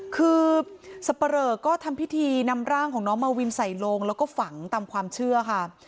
คือสับปะเหลอก็ทำพิธีนำร่างของน้องมาวินใส่ลงแล้วก็ฝังตามความเชื่อค่ะ